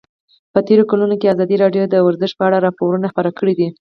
په تېرو کلونو کې ازادي راډیو د ورزش په اړه راپورونه خپاره کړي دي.